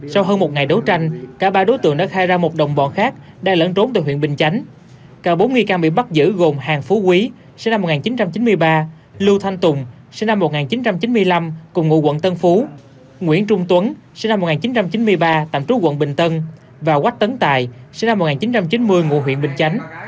cả bốn nghi can bị bắt giữ gồm hàng phú quý sinh năm một nghìn chín trăm chín mươi ba lưu thanh tùng sinh năm một nghìn chín trăm chín mươi năm cùng ngụ quận tân phú nguyễn trung tuấn sinh năm một nghìn chín trăm chín mươi ba tạm trú quận bình tân và quách tấn tài sinh năm một nghìn chín trăm chín mươi ngụ huyện bình chánh